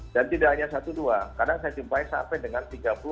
dan tidak hanya satu doang kadang saya jumpai sampai dengan tiga puluh empat puluh